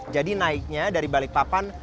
jadi naiknya dari balikpapan